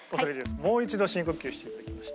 もう一度深呼吸していただきまして。